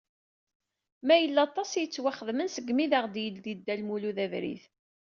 Mayella aṭas i yettwaxedmen segmi i d-aɣ-id-yeldi Dda Lmulud abrid.